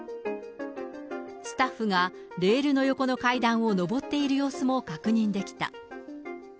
スタッフがレールの横の階段を上っている様子も確認できた。